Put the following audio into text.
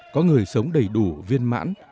có người sống đầy đủ viên mãn